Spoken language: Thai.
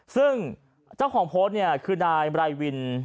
ซึ่งเจ้าของโพสต์เนี่ยคือนายไรวิน